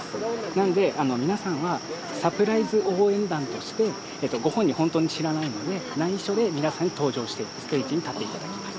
なんで、皆さんはサプライズ応援団として、ご本人、本当に知らないので、ないしょで皆さんに登場して、ステージに立っていただきます。